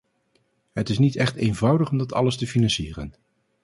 Het is niet echt eenvoudig om dat alles te financieren.